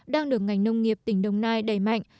đang được ngành nông nghiệp tỉnh đồng nai đẩy mạnh